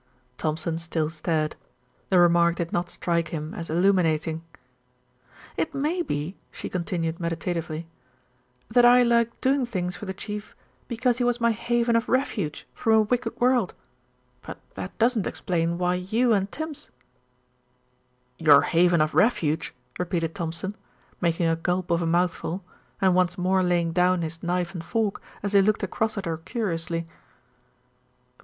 Thompson still stared. The remark did not strike him as illuminating. "It may be," she continued meditatively, "that I like doing things for the Chief because he was my haven of refuge from a wicked world; but that doesn't explain why you and Tims " "Your haven of refuge!" repeated Thompson, making a gulp of a mouthful, and once more laying down his knife and fork, as he looked across at her curiously.